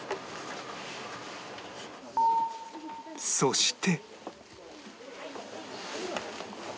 そして